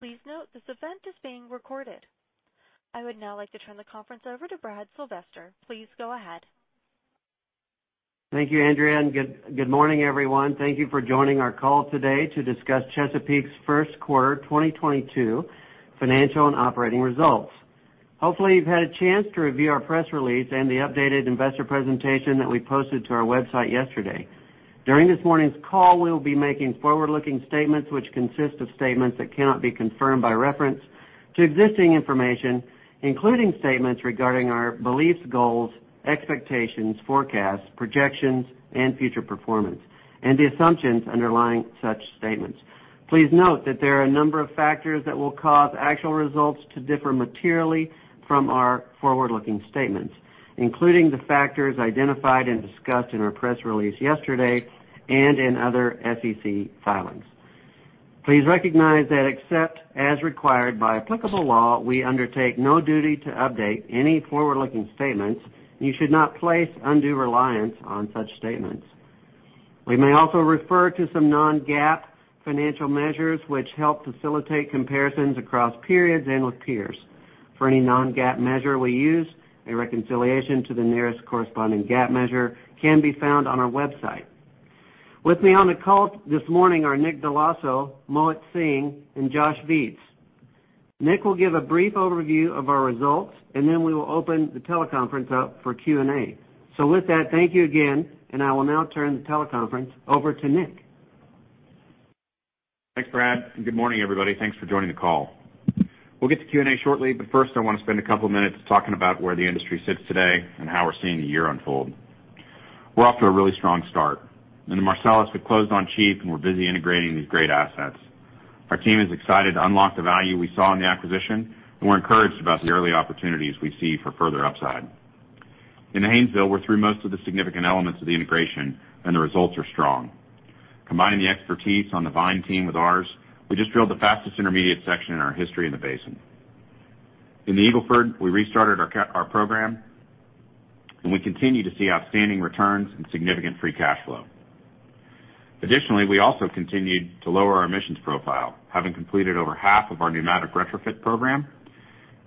Please note this event is being recorded. I would now like to turn the conference over to Jeff Sylvester. Please go ahead. Thank you, Andrea, and good morning, everyone. Thank you for joining our call today to discuss Chesapeake's 1st quarter 2022 financial and operating results. Hopefully, you've had a chance to review our press release and the updated investor presentation that we posted to our website yesterday. During this morning's call, we will be making forward-looking statements which consist of statements that cannot be confirmed by reference to existing information, including statements regarding our beliefs, goals, expectations, forecasts, projections, and future performance, and the assumptions underlying such statements. Please note that there are a number of factors that will cause actual results to differ materially from our forward-looking statements, including the factors identified and discussed in our press release yesterday and in other SEC filings. Please recognize that except as required by applicable law, we undertake no duty to update any forward-looking statements, and you should not place undue reliance on such statements. We may also refer to some non-GAAP financial measures, which help facilitate comparisons across periods and with peers. For any non-GAAP measure we use, a reconciliation to the nearest corresponding GAAP measure can be found on our website. With me on the call this morning are Nick Dell'Osso, Mohit Singh, and Josh Viets. Nick will give a brief overview of our results, and then we will open the teleconference up for Q&A. With that, thank you again, and I will now turn the teleconference over to Nick. Thanks, Brad, and good morning, everybody. Thanks for joining the call. We'll get to Q&A shortly, but 1st I wanna spend a couple minutes talking about where the industry sits today and how we're seeing the year unfold. We're off to a really strong start. In the Marcellus, we closed on Chief Oil & Gas, and we're busy integrating these great assets. Our team is excited to unlock the value we saw in the acquisition, and we're encouraged about the early opportunities we see for further upside. In the Haynesville, we're through most of the significant elements of the integration, and the results are strong. Combining the expertise on the Vine team with ours, we just drilled the fastest intermediate section in our history in the basin. In the Eagle Ford, we restarted our program, and we continue to see outstanding returns and significant free cash flow. Additionally, we also continued to lower our emissions profile, having completed over half of our pneumatic retrofit program,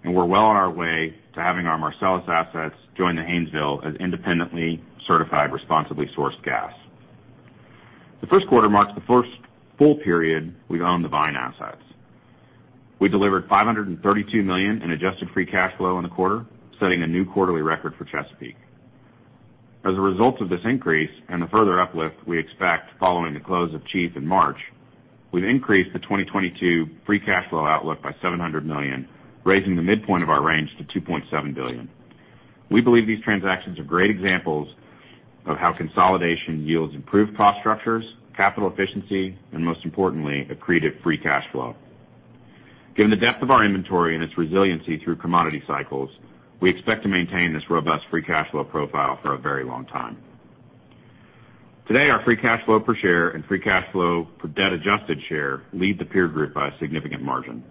and we're well on our way to having our Marcellus assets join the Haynesville as independently certified responsibly sourced gas. The 1st quarter marks the 1st full period we've owned the Vine Energy assets. We delivered $532 million in adjusted free cash flow in the quarter, setting a new quarterly record for Chesapeake. As a result of this increase and the further uplift we expect following the close of Chief Oil & Gas Oil & Gas in March, we've increased the 2022 free cash flow outlook by $700 million, raising the midpoint of our range to $2.7 billion. We believe these transactions are great examples of how consolidation yields improved cost structures, capital efficiency, and most importantly, accreted free cash flow. Given the depth of our inventory and its resiliency through commodity cycles, we expect to maintain this robust free cash flow profile for a very long time. Today, our free cash flow per share and free cash flow per debt adjusted share lead the peer group by a significant margin.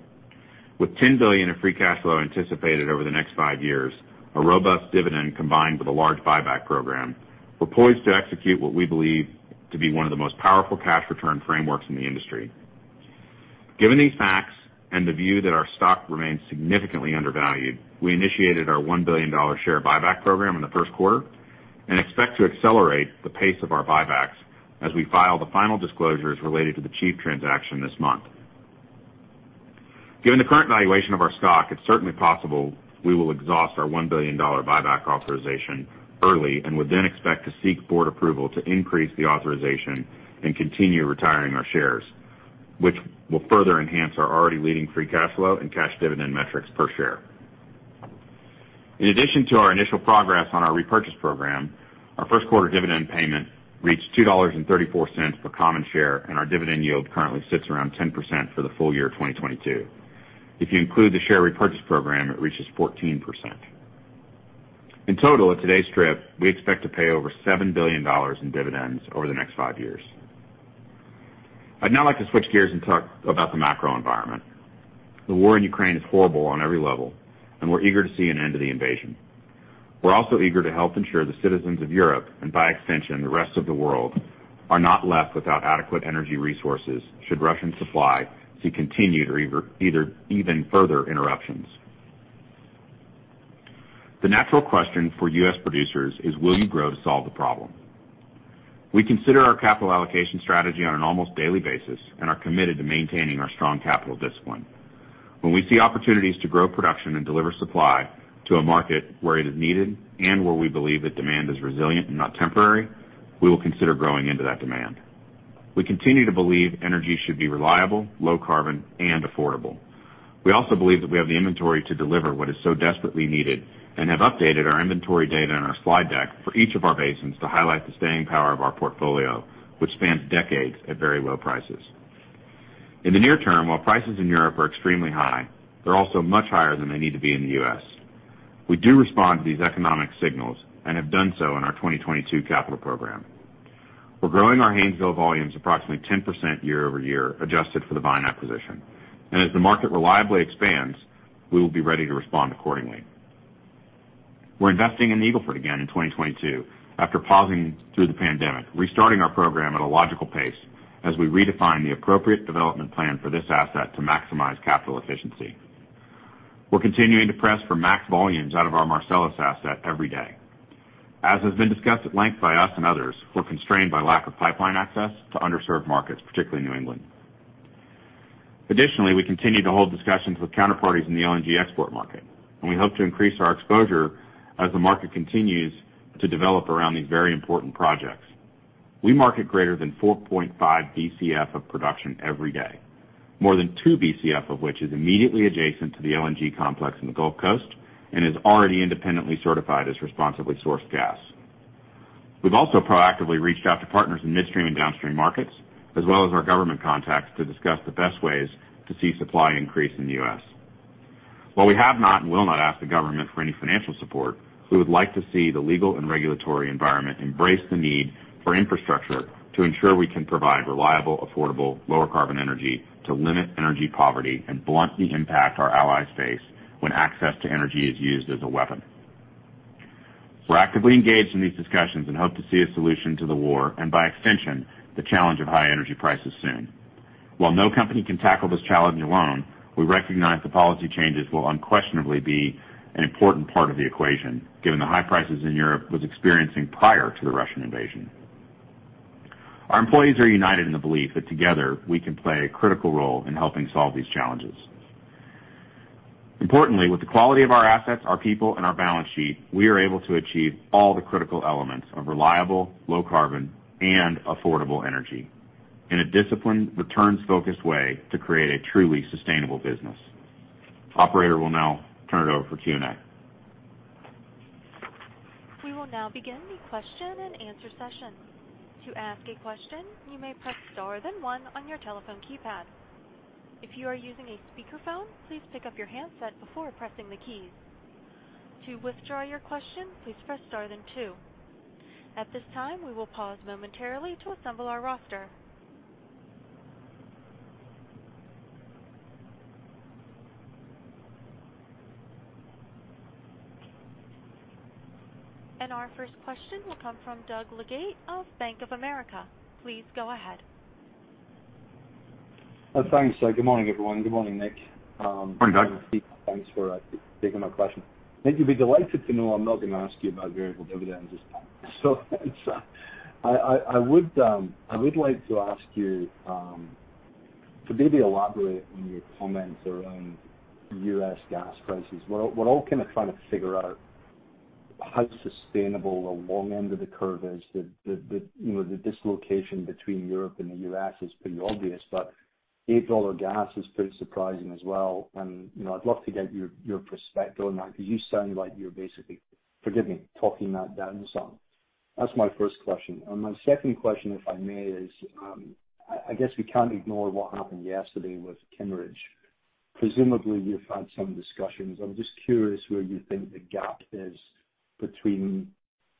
With $10 billion in free cash flow anticipated over the next five years, a robust dividend combined with a large buyback program, we're poised to execute what we believe to be one of the most powerful cash return frameworks in the industry. Given these facts and the view that our stock remains significantly undervalued, we initiated our $1 billion share buyback program in the 1st quarter and expect to accelerate the pace of our buybacks as we file the final disclosures related to the Chief Oil & Gas transaction this month. Given the current valuation of our stock, it's certainly possible we will exhaust our $1 billion buyback authorization early and would then expect to seek board approval to increase the authorization and continue retiring our shares, which will further enhance our already leading free cash flow and cash dividend metrics per share. In addition to our initial progress on our repurchase program, our 1st quarter dividend payment reached $2.34 per common share, and our dividend yield currently sits around 10% for the full year 2022. If you include the share repurchase program, it reaches 14%. In total, at today's strip, we expect to pay over $7 billion in dividends over the next five years. I'd now like to switch gears and talk about the macro environment. The war in Ukraine is horrible on every level, and we're eager to see an end to the invasion. We're also eager to help ensure the citizens of Europe, and by extension, the rest of the world, are not left without adequate energy resources should Russian supply see continued or even further interruptions. The natural question for U.S. producers is, will you grow to solve the problem? We consider our capital allocation strategy on an almost daily basis and are committed to maintaining our strong capital discipline. When we see opportunities to grow production and deliver supply to a market where it is needed and where we believe that demand is resilient and not temporary, we will consider growing into that demand. We continue to believe energy should be reliable, low carbon, and affordable. We also believe that we have the inventory to deliver what is so desperately needed and have updated our inventory data in our slide deck for each of our basins to highlight the staying power of our portfolio, which spans decades at very low prices. In the near term, while prices in Europe are extremely high, they're also much higher than they need to be in the U.S. We do respond to these economic signals and have done so in our 2022 capital program. We're growing our Haynesville volumes approximately 10% year-over-year, adjusted for the Vine acquisition. As the market reliably expands, we will be ready to respond accordingly. We're investing in Eagle Ford again in 2022 after pausing through the pandemic, restarting our program at a logical pace as we redefine the appropriate development plan for this asset to maximize capital efficiency. We're continuing to press for max volumes out of our Marcellus asset every day. As has been discussed at length by us and others, we're constrained by lack of pipeline access to underserved markets, particularly New England. Additionally, we continue to hold discussions with counterparties in the LNG export market, and we hope to increase our exposure as the market continues to develop around these very important projects. We market greater than 4.5 billion cu ft of production every day, more than 2 billion cu ft of which is immediately adjacent to the LNG complex in the Gulf Coast and is already independently certified as responsibly sourced gas. We've also proactively reached out to partners in midstream and downstream markets, as well as our government contacts, to discuss the best ways to see supply increase in the U.S. While we have not and will not ask the government for any financial support, we would like to see the legal and regulatory environment embrace the need for infrastructure to ensure we can provide reliable, affordable, lower carbon energy to limit energy poverty and blunt the impact our allies face when access to energy is used as a weapon. We're actively engaged in these discussions and hope to see a solution to the war and, by extension, the challenge of high energy prices soon. While no company can tackle this challenge alone, we recognize that policy changes will unquestionably be an important part of the equation, given the high prices in Europe was experiencing prior to the Russian invasion. Our employees are united in the belief that together we can play a critical role in helping solve these challenges. Importantly, with the quality of our assets, our people, and our balance sheet, we are able to achieve all the critical elements of reliable, low carbon, and affordable energy in a disciplined, returns-focused way to create a truly sustainable business. Operator, we'll now turn it over for Q&A. We will now begin the question and answer session. To ask a question, you may press star then one on your telephone keypad. If you are using a speakerphone, please pick up your handset before pressing the keys. To withdraw your question, please press star then two. At this time, we will pause momentarily to assemble our roster. Our 1st question will come from Doug Leggate of Bank of America. Please go ahead. Thanks. Good morning, everyone. Good morning, Nick. Morning, Doug. Thanks for taking my question. Nick, you'll be delighted to know I'm not gonna ask you about variable dividends this time. I would like to ask you to maybe elaborate on your comments around U.S. gas prices. We're all kinda trying to figure out how sustainable the long end of the curve is. You know, the dislocation between Europe and the U.S. is pretty obvious, but $8 gas is pretty surprising as well. You know, I'd love to get your perspective on that, 'cause you sound like you're basically, forgive me, talking that down some. That's my 1st question. My 2nd question, if I may, is I guess we can't ignore what happened yesterday with Kimmeridge. Presumably, you've had some discussions. I'm just curious where you think the gap is between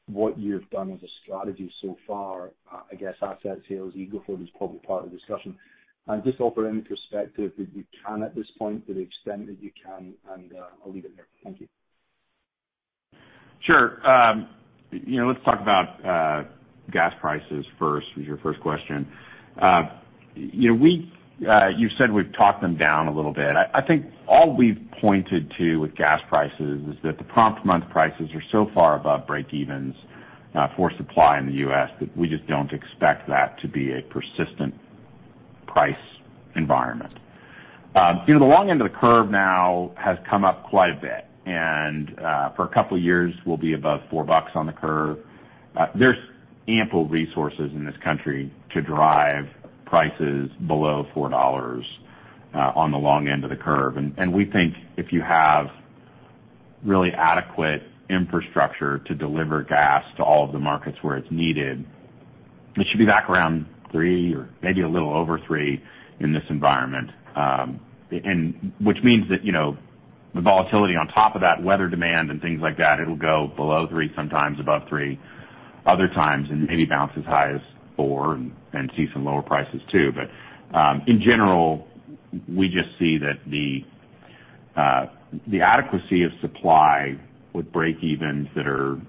what you've done as a strategy so far, I guess asset sales, Eagle Ford is probably part of the discussion. Just offer any perspective that you can at this point to the extent that you can, and, I'll leave it there. Thank you. Sure. You know, let's talk about gas prices 1st. Was your 1st question. You know, you said we've talked them down a little bit. I think all we've pointed to with gas prices is that the prompt month prices are so far above breakevens for supply in the U.S., that we just don't expect that to be a persistent price environment. You know, the long end of the curve now has come up quite a bit, and for a couple years will be above $4 on the curve. There's ample resources in this country to drive prices below $4 on the long end of the curve. We think if you have really adequate infrastructure to deliver gas to all of the markets where it's needed, it should be back around $3 or maybe a little over $3 in this environment. Which means that, you know, the volatility on top of that, weather demand and things like that, it'll go below $3, sometimes above $3, other times and maybe bounce as high as $4 and see some lower prices too. In general, we just see that the adequacy of supply with breakevens that are,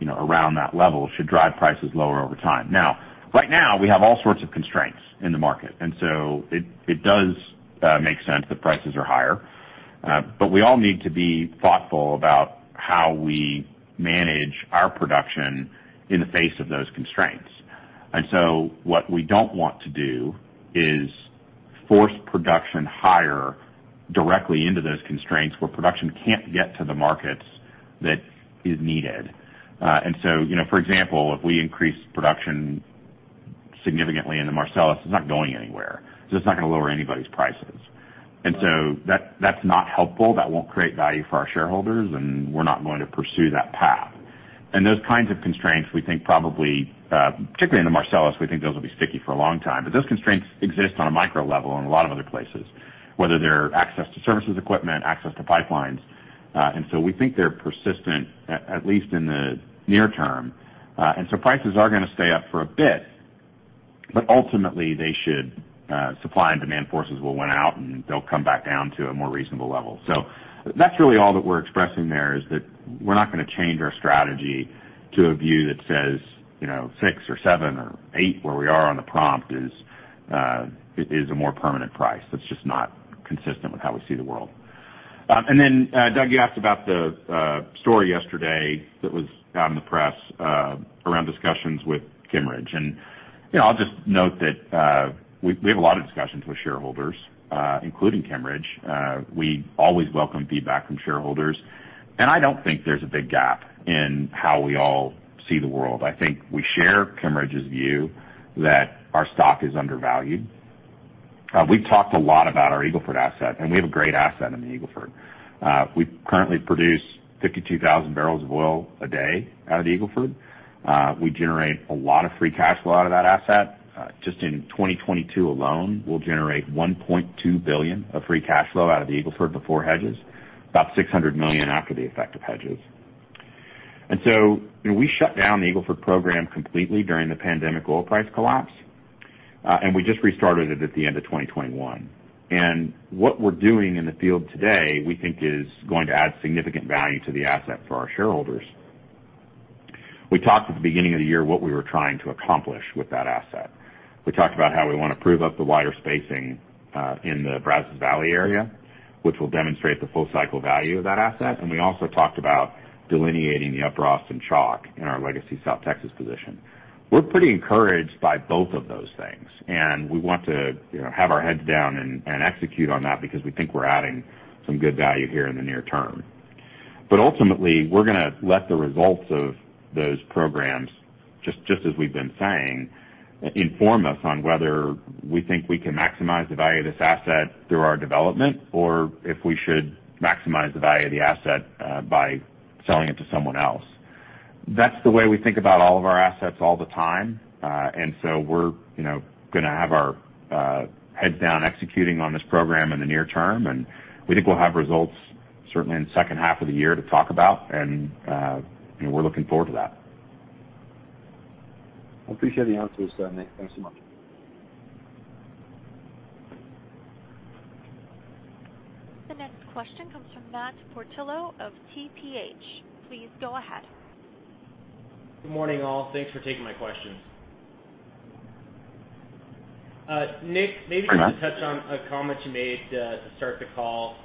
you know, around that level should drive prices lower over time. Now, right now, we have all sorts of constraints in the market, and so it does make sense that prices are higher. We all need to be thoughtful about how we manage our production in the face of those constraints. What we don't want to do is force production higher directly into those constraints where production can't get to the markets that is needed. You know, for example, if we increase production significantly in the Marcellus, it's not going anywhere, so it's not gonna lower anybody's prices. That's not helpful. That won't create value for our shareholders, and we're not going to pursue that path. Those kinds of constraints, we think probably, particularly in the Marcellus, we think those will be sticky for a long time. Those constraints exist on a micro level in a lot of other places, whether they're access to services equipment, access to pipelines. We think they're persistent at least in the near term. Prices are gonna stay up for a bit. Ultimately, supply and demand forces will win out, and they'll come back down to a more reasonable level. That's really all that we're expressing there, is that we're not gonna change our strategy to a view that says, you know, six or seven or eight, where we are on the prompt, is a more permanent price. That's just not consistent with how we see the world. Doug, you asked about the story yesterday that was out in the press around discussions with Kimmeridge. You know, I'll just note that we have a lot of discussions with shareholders, including Kimmeridge. We always welcome feedback from shareholders, and I don't think there's a big gap in how we all see the world. I think we share Kimmeridge's view that our stock is undervalued. We've talked a lot about our Eagle Ford asset, and we have a great asset in the Eagle Ford. We currently produce 52,000 barrels of oil a day out of the Eagle Ford. We generate a lot of free cash flow out of that asset. Just in 2022 alone, we'll generate $1.2 billion of free cash flow out of the Eagle Ford before hedges, about $600 million after the effect of hedges. You know, we shut down the Eagle Ford program completely during the pandemic oil price collapse, and we just restarted it at the end of 2021. What we're doing in the field today, we think is going to add significant value to the asset for our shareholders. We talked at the beginning of the year what we were trying to accomplish with that asset. We talked about how we wanna prove up the wider spacing in the Brazos Valley area, which will demonstrate the full cycle value of that asset. We also talked about delineating the Upper Austin Chalk in our legacy South Texas position. We're pretty encouraged by both of those things, and we want to, you know, have our heads down and execute on that because we think we're adding some good value here in the near term. Ultimately, we're gonna let the results of those programs, just as we've been saying, inform us on whether we think we can maximize the value of this asset through our development or if we should maximize the value of the asset by selling it to someone else. That's the way we think about all of our assets all the time. We're, you know, gonna have our heads down executing on this program in the near term, and we think we'll have results certainly in the 2nd half of the year to talk about, and, you know, we're looking forward to that. I appreciate the answers, Nick. Thanks so much. The next question comes from Matt Portillo of TPH&Co. Please go ahead. Good morning, all. Thanks for taking my questions. Nick, maybe to touch on a comment you made to start the call,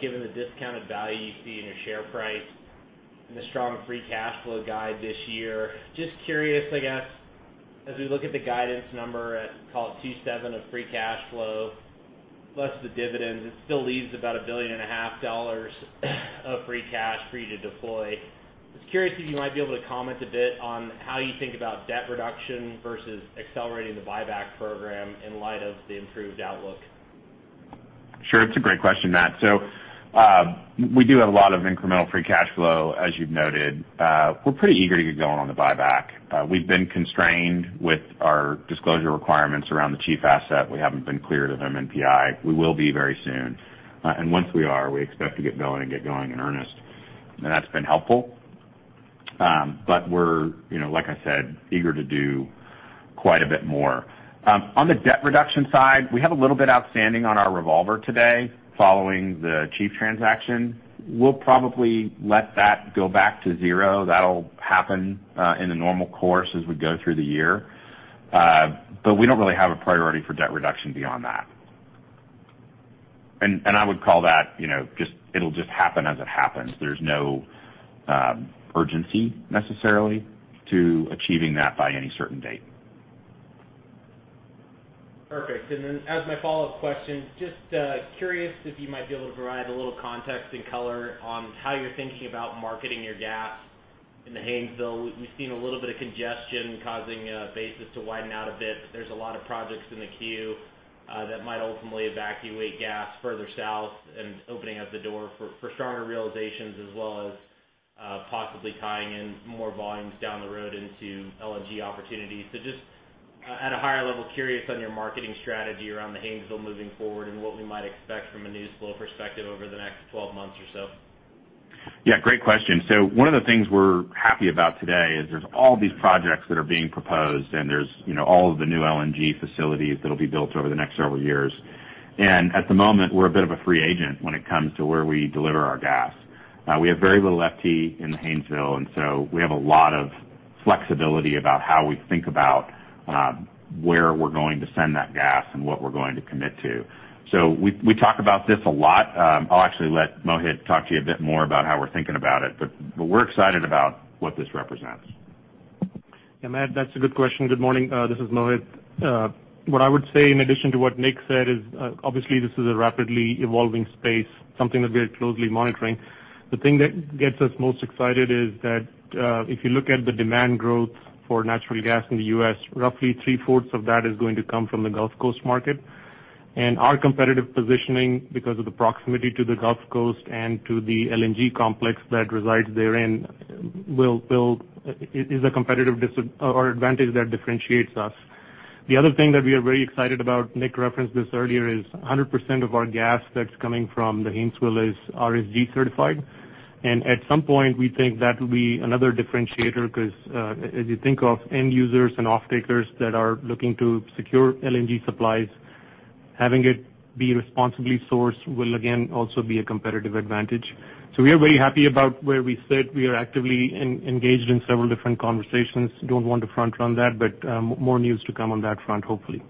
given the discounted value you see in your share price and the strong free cash flow guide this year. Just curious, I guess, as we look at the guidance number at, call it, $2.7 billion of free cash flow plus the dividends, it still leaves about $1.5 billion of free cash for you to deploy. Just curious if you might be able to comment a bit on how you think about debt reduction versus accelerating the buyback program in light of the improved outlook? Sure. It's a great question, Matt. We do have a lot of incremental free cash flow, as you've noted. We're pretty eager to get going on the buyback. We've been constrained with our disclosure requirements around the Chief Oil & Gas Oil & Gas asset. We haven't been clear on MNPI. We will be very soon. Once we are, we expect to get going in earnest. That's been helpful. We're, you know, like I said, eager to do quite a bit more. On the debt reduction side, we have a little bit outstanding on our revolver today following the Chief Oil & Gas Oil & Gas transaction. We'll probably let that go back to zero. That'll happen in the normal course as we go through the year. We don't really have a priority for debt reduction beyond that. I would call that, you know, it'll just happen as it happens. There's no urgency necessarily to achieving that by any certain date. Perfect. As my follow-up question, just curious if you might be able to provide a little context and color on how you're thinking about marketing your gas in the Haynesville. We've seen a little bit of congestion causing basis to widen out a bit, but there's a lot of projects in the queue that might ultimately evacuate gas further south and opening up the door for for stronger realizations as well as possibly tying in more volumes down the road into LNG opportunities. Just at a higher level, curious on your marketing strategy around the Haynesville moving forward and what we might expect from a news flow perspective over the next 12 months or so. Yeah, great question. One of the things we're happy about today is there's all these projects that are being proposed, and there's, you know, all of the new LNG facilities that'll be built over the next several years. At the moment, we're a bit of a free agent when it comes to where we deliver our gas. We have very little FT in the Haynesville, and so we have a lot of flexibility about how we think about where we're going to send that gas and what we're going to commit to. We talk about this a lot. I'll actually let Mohit talk to you a bit more about how we're thinking about it, but we're excited about what this represents. Yeah, Matt, that's a good question. Good morning. This is Mohit. What I would say in addition to what Nick said is, obviously this is a rapidly evolving space, something that we are closely monitoring. The thing that gets us most excited is that, if you look at the demand growth for natural gas in the U.S., roughly 3/4 of that is going to come from the Gulf Coast market. Our competitive positioning because of the proximity to the Gulf Coast and to the LNG complex that resides therein is a competitive advantage that differentiates us. The other thing that we are very excited about, Nick referenced this earlier, is 100% of our gas that's coming from the Haynesville is RSG certified. At some point, we think that will be another differentiator because, as you think of end users and offtakers that are looking to secure LNG supplies, having it be responsibly sourced will again also be a competitive advantage. We are very happy about where we sit. We are actively engaged in several different conversations. Don't want to front run that, but, more news to come on that front, hopefully.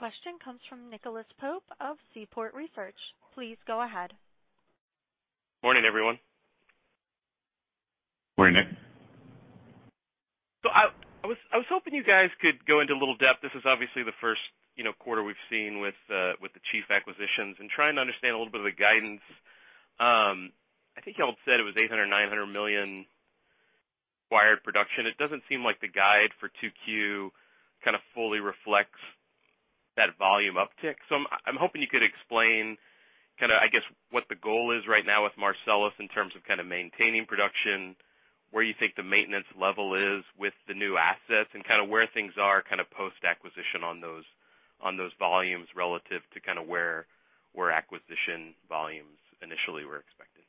Thank you. Next question comes from Nicholas Pope of Seaport Research. Please go ahead. Morning, everyone. Morning, Nick. I was hoping you guys could go into a little depth. This is obviously the 1st, you know, quarter we've seen with the Chief Oil & Gas acquisitions and trying to understand a little bit of the guidance. I think y'all said it was $800 million-$900 million acquired production. It doesn't seem like the guide for 2Q kind of fully reflects that volume uptick. I'm hoping you could explain kind of, I guess, what the goal is right now with Marcellus in terms of kind of maintaining production, where you think the maintenance level is with the new assets and kind of where things are kind of post-acquisition on those volumes relative to kind of where acquisition volumes initially were expected.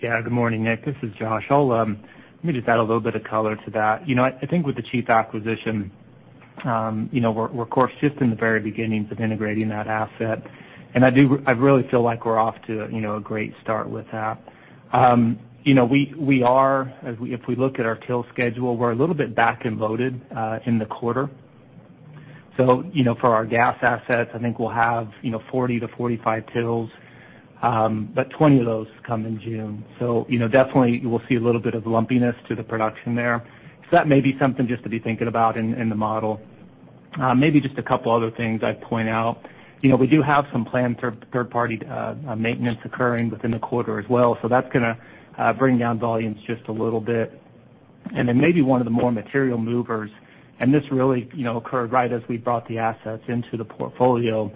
Yeah. Good morning, Nick. This is Josh. Let me just add a little bit of color to that. You know, I think with the Chief Oil & Gas acquisition, you know, we're of course just in the very beginnings of integrating that asset. I really feel like we're off to, you know, a great start with that. You know, we are, if we look at our well schedule, we're a little bit back-end loaded in the quarter. You know, for our gas assets, I think we'll have, you know, 40-45 wells, but 20 of those come in June. You know, definitely you will see a little bit of lumpiness to the production there. That may be something just to be thinking about in the model. Maybe just a couple other things I'd point out. You know, we do have some planned 3rd-party maintenance occurring within the quarter as well, so that's gonna bring down volumes just a little bit. Maybe one of the more material movers, and this really, you know, occurred right as we brought the assets into the portfolio.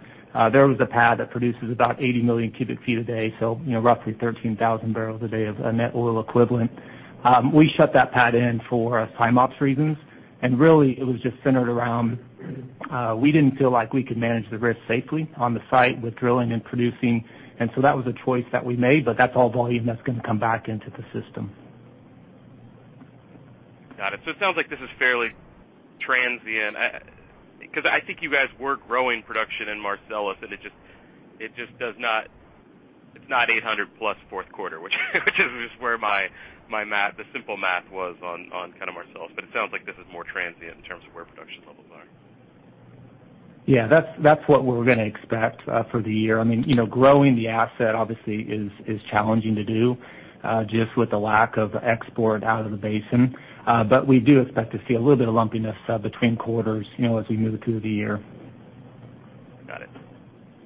There was a pad that produces about 80 million cu ft a day, so, you know, roughly 13,000 barrels a day of a net oil equivalent. We shut that pad in for tie-in ops reasons, and really it was just centered around, we didn't feel like we could manage the risk safely on the site with drilling and producing. That was a choice that we made, but that's all volume that's gonna come back into the system. Got it. It sounds like this is fairly transient. Because I think you guys were growing production in Marcellus, and it just it's not $800 million+ 4th quarter, which is where my math, the simple math was on kind of Marcellus. It sounds like this is more transient in terms of where production levels are. Yeah. That's what we're gonna expect for the year. I mean, you know, growing the asset obviously is challenging to do just with the lack of export out of the basin. We do expect to see a little bit of lumpiness between quarters, you know, as we move through the year. Got it.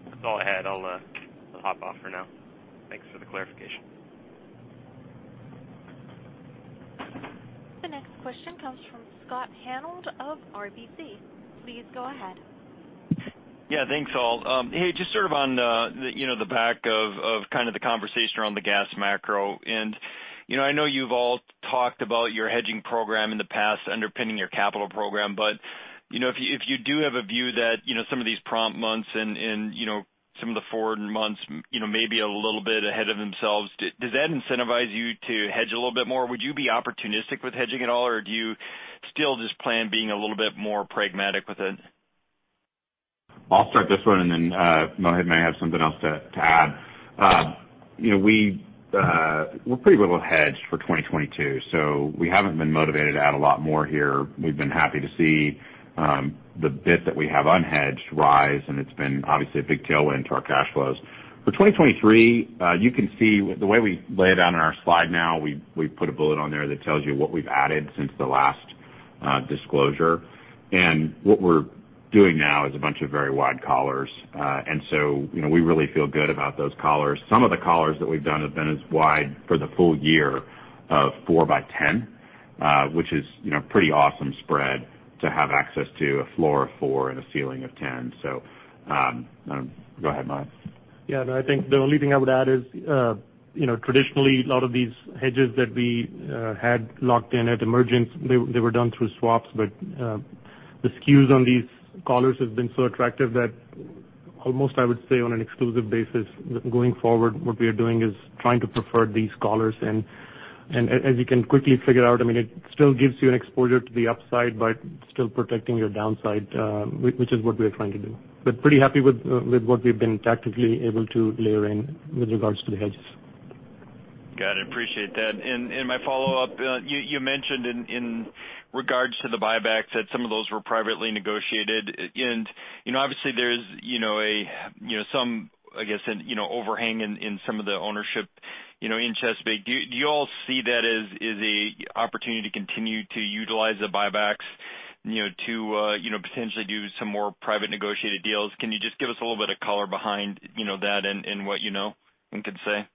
That's all I had. I'll hop off for now. Thanks for the clarification. The next question comes from Scott Hanold of RBC Capital Markets. Please go ahead. Yeah. Thanks, all. Hey, just sort of on the, you know, the back of kind of the conversation around the gas macro. You know, I know you've all talked about your hedging program in the past underpinning your capital program. You know, if you do have a view that, you know, some of these prompt months and, you know, some of the forward months, you know, may be a little bit ahead of themselves, does that incentivize you to hedge a little bit more? Would you be opportunistic with hedging at all, or do you still just plan being a little bit more pragmatic with it? I'll start this one, and then Mohit may have something else to add. You know, we're pretty little hedged for 2022, so we haven't been motivated to add a lot more here. We've been happy to see the bit that we have unhedged rise, and it's been obviously a big tailwind to our cash flows. For 2023, you can see the way we lay it out on our slide now. We put a bullet on there that tells you what we've added since the last disclosure. What we're doing now is a bunch of very wide collars. You know, we really feel good about those collars. Some of the collars that we've done have been as wide for the full year of four by 10, which is, you know, pretty awesome spread to have access to a floor of four and a ceiling of 10. Go ahead, Mohit. Yeah, no, I think the only thing I would add is, you know, traditionally, a lot of these hedges that we had locked in at emergence, they were done through swaps. The skew on these collars have been so attractive that almost, I would say, on an exclusive basis going forward, what we are doing is trying to prefer these collars. As you can quickly figure out, I mean, it still gives you an exposure to the upside, but still protecting your downside, which is what we are trying to do. Pretty happy with what we've been tactically able to layer in with regards to the hedges. Got it. Appreciate that. My follow-up, you mentioned in regards to the buybacks that some of those were privately negotiated. You know, obviously there's some, I guess, you know, overhang in some of the ownership, you know, in Chesapeake. Do you all see that as a opportunity to continue to utilize the buybacks, you know, to you know potentially do some more privately negotiated deals? Can you just give us a little bit of color behind, you know, that and what you know and can say?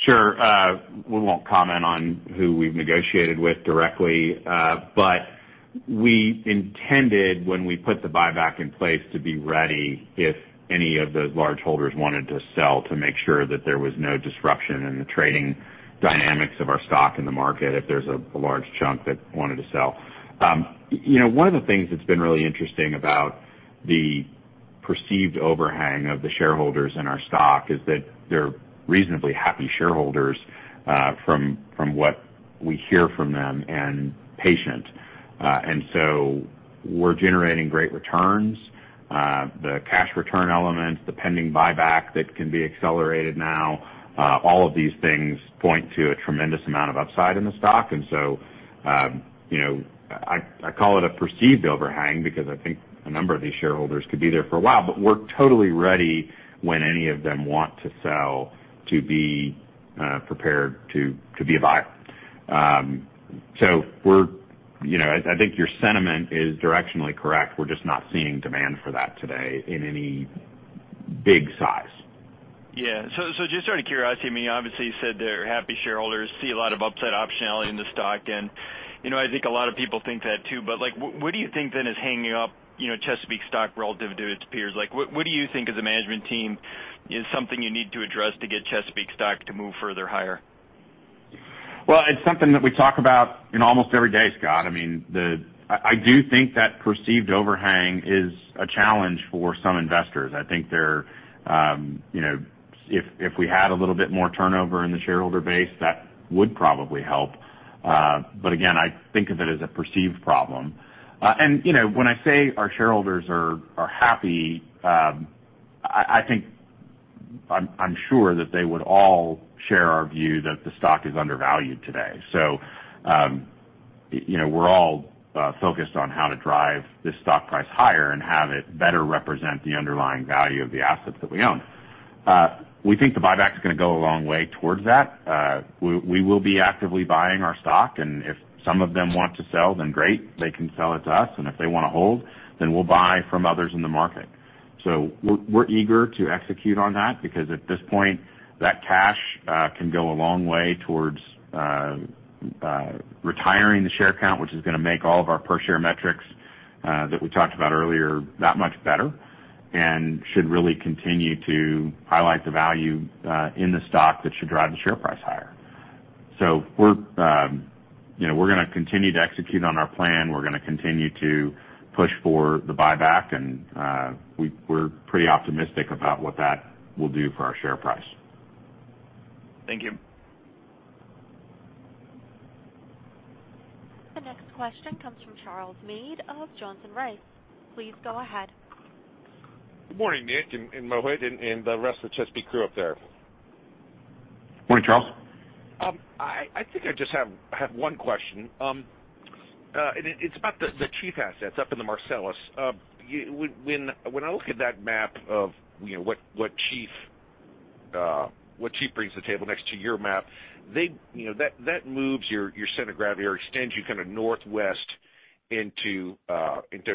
Sure. We won't comment on who we've negotiated with directly. We intended when we put the buyback in place to be ready if any of those large holders wanted to sell to make sure that there was no disruption in the trading dynamics of our stock in the market if there's a large chunk that wanted to sell. You know, one of the things that's been really interesting about the perceived overhang of the shareholders in our stock is that they're reasonably happy shareholders, from what we hear from them and patient. We're generating great returns. The cash return elements, the pending buyback that can be accelerated now, all of these things point to a tremendous amount of upside in the stock. I call it a perceived overhang because I think a number of these shareholders could be there for a while. We're totally ready when any of them want to sell to be prepared to be a buyer. I think your sentiment is directionally correct. We're just not seeing demand for that today in any big size. Yeah. Just out of curiosity, I mean, obviously, you said they're happy shareholders, see a lot of upside optionality in the stock. You know, I think a lot of people think that too, but, like, what do you think then is hanging up, you know, Chesapeake stock relative to its peers? Like, what do you think as a management team is something you need to address to get Chesapeake stock to move further higher? Well, it's something that we talk about, you know, almost every day, Scott. I mean, I do think that perceived overhang is a challenge for some investors. I think they're, you know, if we had a little bit more turnover in the shareholder base, that would probably help. Again, I think of it as a perceived problem. You know, when I say our shareholders are happy, I think I'm sure that they would all share our view that the stock is undervalued today. You know, we're all focused on how to drive this stock price higher and have it better represent the underlying value of the assets that we own. We think the buyback is gonna go a long way towards that. We will be actively buying our stock, and if some of them want to sell, then great, they can sell it to us. If they wanna hold, then we'll buy from others in the market. We're eager to execute on that because at this point, that cash can go a long way towards retiring the share count, which is gonna make all of our per share metrics that we talked about earlier that much better and should really continue to highlight the value in the stock that should drive the share price higher. You know, we're gonna continue to execute on our plan. We're gonna continue to push for the buyback, and we're pretty optimistic about what that will do for our share price. Thank you. The next question comes from Charles Meade of Johnson Rice. Please go ahead. Good morning, Nick and Mohit and the rest of the Chesapeake crew up there. Morning, Charles. I think I just have one question. It's about the Chief Oil & Gas Oil & Gas assets up in the Marcellus. When I look at that map of, you know, what Chief Oil & Gas Oil & Gas brings to the table next to your map, that moves your center of gravity or extends you kind of northwest into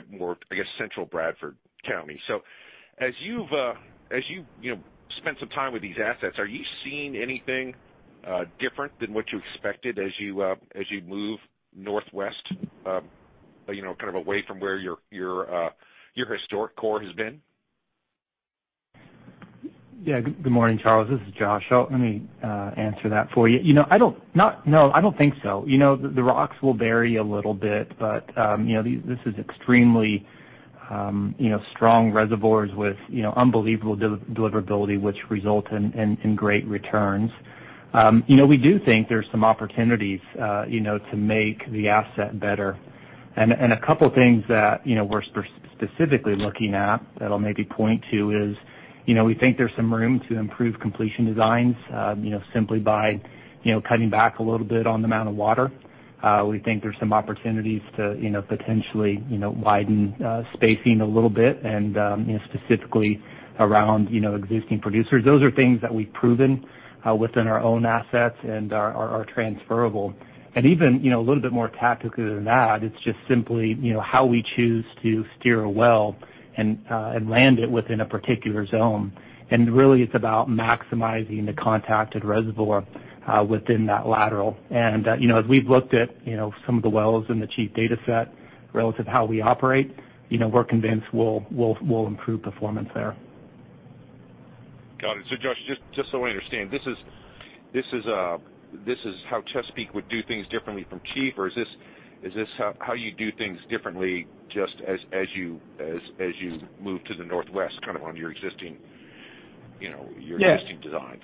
more, I guess, central Bradford County. As you've spent some time with these assets, are you seeing anything different than what you expected as you move northwest, you know, kind of away from where your historic core has been? Yeah. Good morning, Charles. This is Josh. Let me answer that for you. You know, No, I don't think so. You know, the rocks will vary a little bit, but you know, this is extremely you know, strong reservoirs with you know, unbelievable deliverability which result in great returns. You know, we do think there's some opportunities to make the asset better. A couple things that you know, we're specifically looking at that I'll maybe point to is you know, we think there's some room to improve completion designs you know, simply by you know, cutting back a little bit on the amount of water. We think there's some opportunities to, you know, potentially, you know, widen spacing a little bit and, you know, specifically around, you know, existing producers. Those are things that we've proven within our own assets and are transferable. Even, you know, a little bit more tactically than that, it's just simply, you know, how we choose to steer a well and land it within a particular zone. Really, it's about maximizing the contacted reservoir within that lateral. You know, as we've looked at, you know, some of the wells in the Chief Oil & Gas dataset relative to how we operate, you know, we're convinced we'll improve performance there. Got it. Josh, just so I understand, this is how Chesapeake would do things differently from Chief Oil & Gas, or is this how you do things differently just as you move to the northwest kind of on your existing, you know? Yeah. Your existing designs?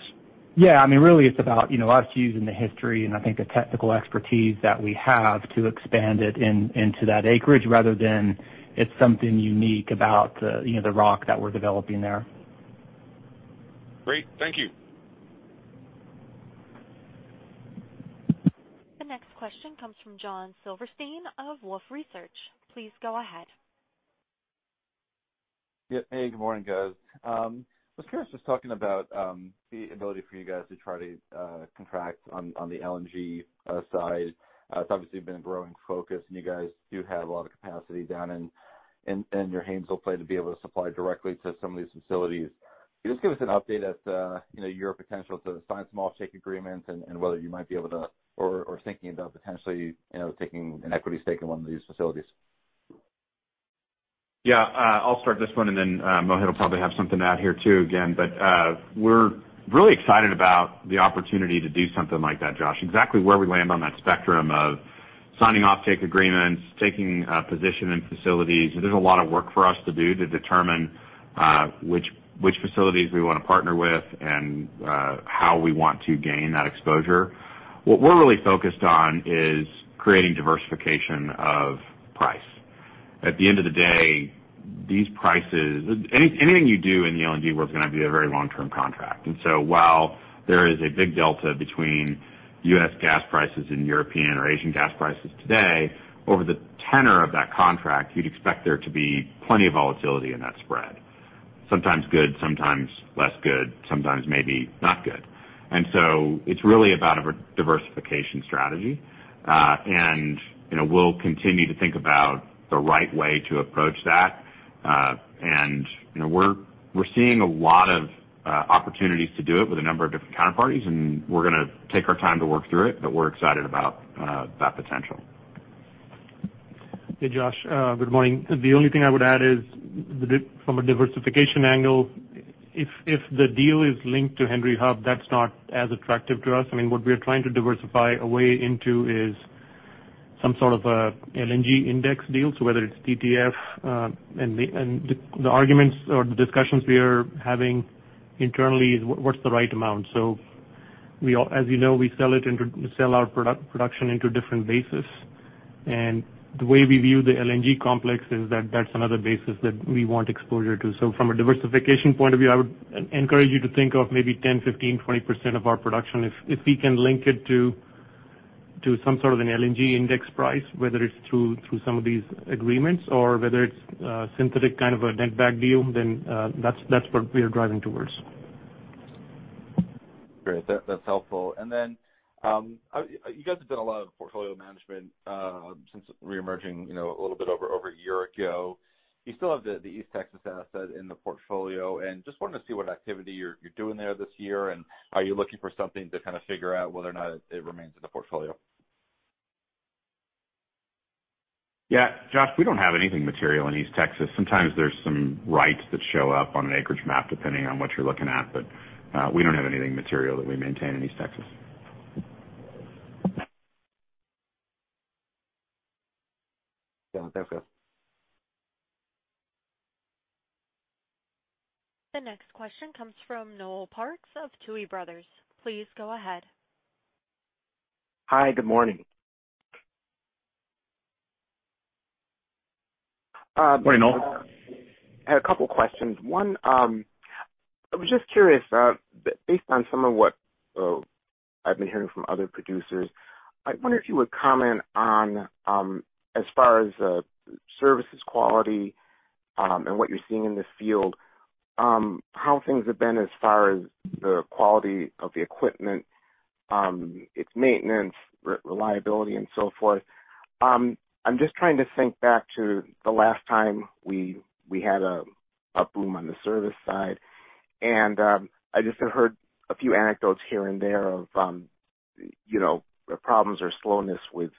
Yeah. I mean, really it's about, you know, us using the history, and I think the technical expertise that we have to expand it into that acreage rather than it's something unique about the, you know, the rock that we're developing there. Great. Thank you. The next question comes from Josh Silverstein of Wolfe Research. Please go ahead. Hey, good morning, guys. I was curious just talking about the ability for you guys to try to contract on the LNG side. It's obviously been a growing focus, and you guys do have a lot of capacity down in your Haynesville play to be able to supply directly to some of these facilities. Can you just give us an update as to, you know, your potential to sign some offtake agreements and whether you might be able to or thinking about potentially, you know, taking an equity stake in one of these facilities? Yeah. I'll start this one, and then Mohit will probably have something to add here too, again. We're really excited about the opportunity to do something like that, Josh. Exactly where we land on that spectrum of signing offtake agreements, taking a position in facilities, there's a lot of work for us to do to determine which facilities we wanna partner with and how we want to gain that exposure. What we're really focused on is creating diversification of price. At the end of the day, these prices. Anything you do in the LNG world is gonna be a very long-term contract. While there is a big delta between U.S. gas prices and European or Asian gas prices today, over the tenor of that contract, you'd expect there to be plenty of volatility in that spread. Sometimes good, sometimes less good, sometimes maybe not good. It's really about a diversification strategy. You know, we'll continue to think about the right way to approach that. You know, we're seeing a lot of opportunities to do it with a number of different counterparties, and we're gonna take our time to work through it, but we're excited about that potential. Hey, Josh, good morning. The only thing I would add is from a diversification angle, if the deal is linked to Henry Hub, that's not as attractive to us. I mean, what we are trying to diversify away into is some sort of an LNG index deal. Whether it's TTF. The arguments or the discussions we are having internally is what's the right amount. As you know, we sell our production into different bases. The way we view the LNG complex is that that's another basis that we want exposure to. From a diversification point of view, I would encourage you to think of maybe 10%, 15%, 20% of our production. If we can link it to some sort of an LNG index price, whether it's through some of these agreements or whether it's synthetic kind of a netback deal, then that's what we are driving towards. Great. That's helpful. You guys have done a lot of portfolio management since reemerging, you know, a little bit over a year ago. You still have the East Texas asset in the portfolio, and just wanted to see what activity you're doing there this year, and are you looking for something to kind of figure out whether or not it remains in the portfolio? Yeah. Josh, we don't have anything material in East Texas. Sometimes there's some rights that show up on an acreage map depending on what you're looking at, but we don't have anything material that we maintain in East Texas. Yeah. Thanks, guys. The next question comes from Noel Parks of Tuohy Brothers Investment Research. Please go ahead. Hi, good morning. Morning, Noel. I had a couple questions. One, I was just curious, based on some of what, I've been hearing from other producers, I wonder if you would comment on, as far as, services quality, and what you're seeing in this field, how things have been as far as the quality of the equipment, its maintenance, reliability, and so forth. I'm just trying to think back to the last time we had a boom on the service side. I just have heard a few anecdotes here and there of, you know, the problems or slowness with,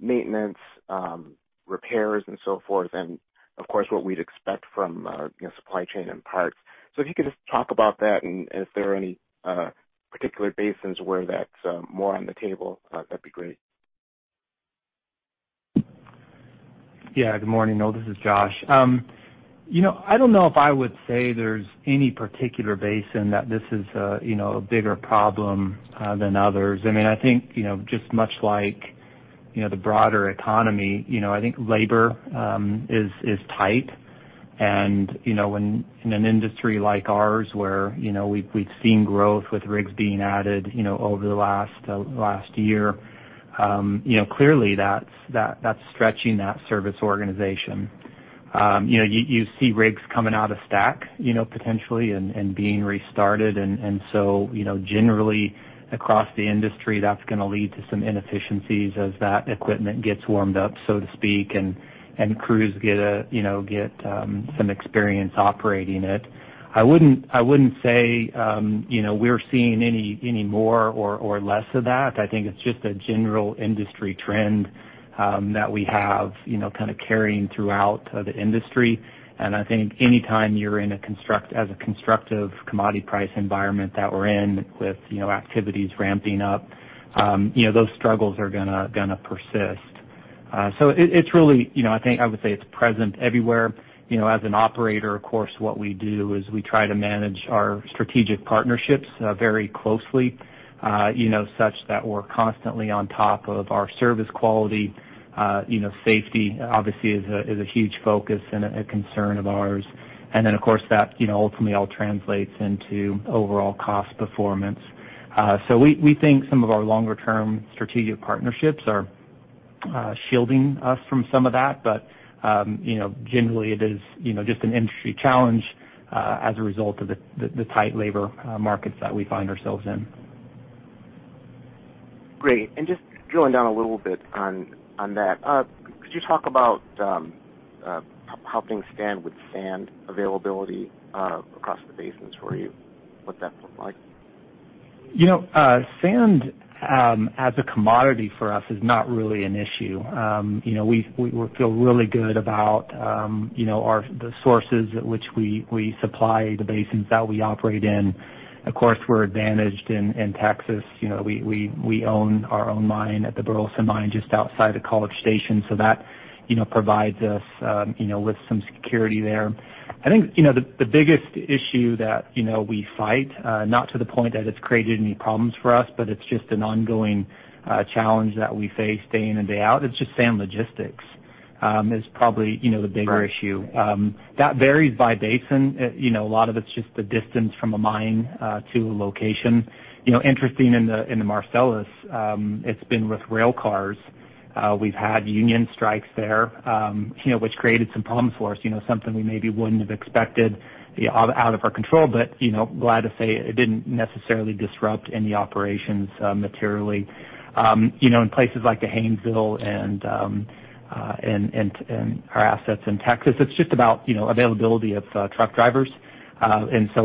maintenance, repairs and so forth, and of course, what we'd expect from, you know, supply chain and parts. If you could just talk about that and if there are any particular basins where that's more on the table, that'd be great. Yeah. Good morning, Noel. This is Josh. You know, I don't know if I would say there's any particular basin that this is a bigger problem than others. I mean, I think you know, just much like you know, the broader economy, you know, I think labor is tight. You know, when in an industry like ours, where you know, we've seen growth with rigs being added you know, over the last year you know, clearly that's stretching that service organization. You know, you see rigs coming out of stack, you know, potentially and being restarted. So, you know, generally across the industry, that's gonna lead to some inefficiencies as that equipment gets warmed up, so to speak, and crews get some experience operating it. I wouldn't say, you know, we're seeing any more or less of that. I think it's just a general industry trend, that we have, you know, kind of carrying throughout the industry. I think any time you're in as a constructive commodity price environment that we're in with, you know, activities ramping up, you know, those struggles are gonna persist. So it's really, you know, I think I would say it's present everywhere. You know, as an operator, of course, what we do is we try to manage our strategic partnerships very closely, you know, such that we're constantly on top of our service quality. You know, safety obviously is a huge focus and a concern of ours. Of course, that, you know, ultimately all translates into overall cost performance. We think some of our longer term strategic partnerships are shielding us from some of that. You know, generally it is, you know, just an industry challenge as a result of the tight labor markets that we find ourselves in. Great. Just drilling down a little bit on that, could you talk about how things stand with sand availability across the basins for you, what that looks like? You know, sand as a commodity for us is not really an issue. You know, we feel really good about the sources at which we supply the basins that we operate in. Of course, we're advantaged in Texas. You know, we own our own mine at the Burleson Mine, just outside of College Station. So that provides us with some security there. I think the biggest issue that we fight, not to the point that it's created any problems for us, but it's just an ongoing challenge that we face day in and day out. It's just sand logistics is probably the bigger issue. That varies by basin. You know, a lot of it's just the distance from a mine to a location. You know, interesting in the Marcellus, it's been with rail cars. We've had union strikes there, you know, which created some problems for us, you know, something we maybe wouldn't have expected out of our control. You know, glad to say it didn't necessarily disrupt any operations materially. You know, in places like the Haynesville and our assets in Texas, it's just about, you know, availability of truck drivers.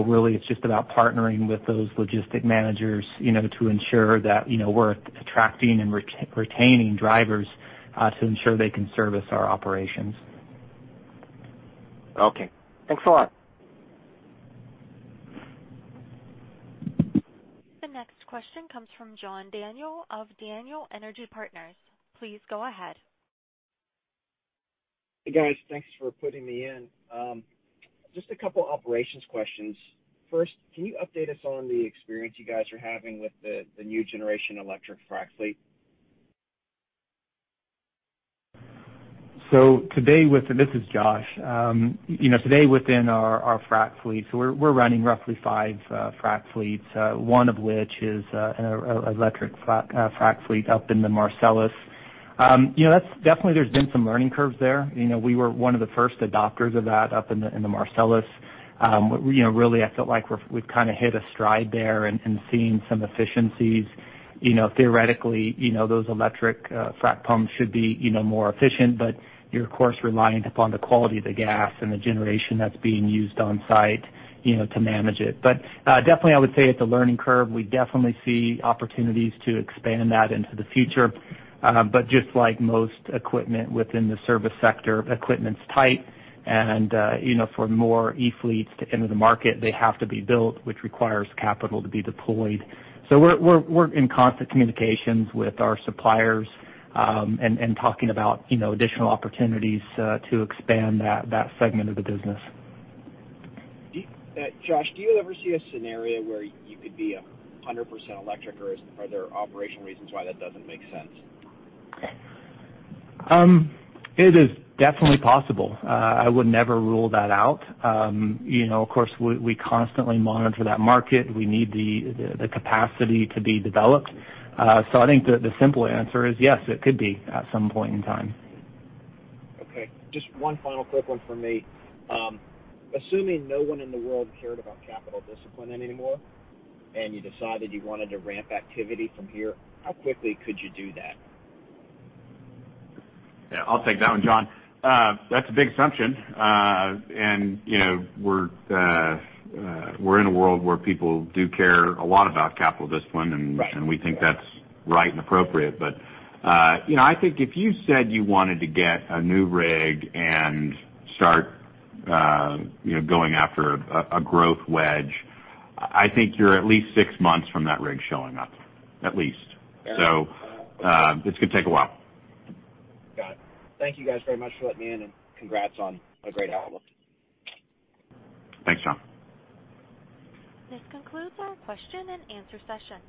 Really it's just about partnering with those logistics managers, you know, to ensure that, you know, we're attracting and retaining drivers to ensure they can service our operations. Okay. Thanks a lot. The next question comes from John Daniel of Daniel Energy Partners. Please go ahead. Hey, guys. Thanks for putting me in. Just a couple operations questions. First, can you update us on the experience you guys are having with the new generation electric frac fleet? This is Josh. You know, today within our frac fleet, so we're running roughly five frac fleets, one of which is an electric frac fleet up in the Marcellus. You know, that's definitely there's been some learning curves there. You know, we were one of the 1st adopters of that up in the Marcellus. You know, really, I feel like we've kinda hit a stride there and seeing some efficiencies. You know, theoretically, you know, those electric frac pumps should be, you know, more efficient, but you're of course reliant upon the quality of the gas and the generation that's being used on site, you know, to manage it. Definitely I would say it's a learning curve. We definitely see opportunities to expand that into the future. Just like most equipment within the service sector, equipment's tight and, you know, for more e-fleets to enter the market, they have to be built, which requires capital to be deployed. We're in constant communications with our suppliers, and talking about, you know, additional opportunities, to expand that segment of the business. Josh, do you ever see a scenario where you could be 100% electric, or are there operational reasons why that doesn't make sense? It is definitely possible. I would never rule that out. You know, of course we constantly monitor that market. We need the capacity to be developed. I think the simple answer is yes, it could be at some point in time. Okay, just one final quick one from me. Assuming no one in the world cared about capital discipline anymore, and you decided you wanted to ramp activity from here, how quickly could you do that? Yeah, I'll take that one, John. That's a big assumption. You know, we're in a world where people do care a lot about capital discipline. Right. We think that's right and appropriate. You know, I think if you said you wanted to get a new rig and start, you know, going after a growth wedge, I think you're at least six months from that rig showing up, at least. Yeah. It's gonna take a while. Got it. Thank you guys very much for letting me in, and congrats on a great outlook. Thanks, John. This concludes our question and answer session.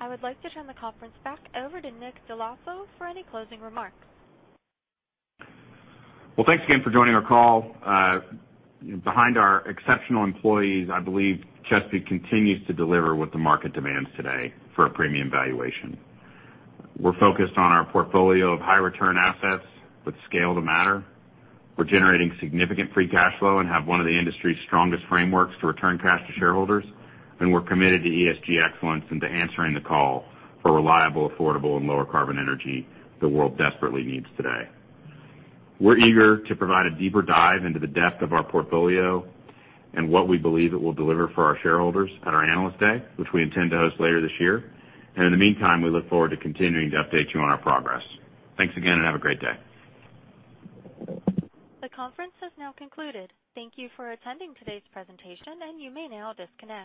I would like to turn the conference back over to Nick Dell'Osso for any closing remarks. Well, thanks again for joining our call. Behind our exceptional employees, I believe Chesapeake continues to deliver what the market demands today for a premium valuation. We're focused on our portfolio of high return assets with scale to matter. We're generating significant free cash flow and have one of the industry's strongest frameworks to return cash to shareholders, and we're committed to ESG excellence and to answering the call for reliable, affordable, and lower carbon energy the world desperately needs today. We're eager to provide a deeper dive into the depth of our portfolio and what we believe it will deliver for our shareholders at our Analyst Day, which we intend to host later this year. In the meantime, we look forward to continuing to update you on our progress. Thanks again, and have a great day. The conference has now concluded. Thank you for attending today's presentation, and you may now disconnect.